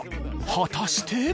果たして？